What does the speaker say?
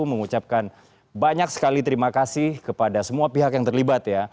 mengucapkan banyak sekali terima kasih kepada semua pihak yang terlibat ya